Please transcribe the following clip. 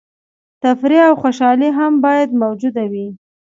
تفریح او خوشحالي هم باید موجوده وي.